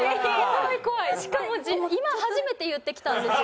しかも今初めて言ってきたんですよ。